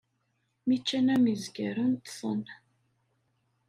Mi ččan am yizgaren, ṭṭsen.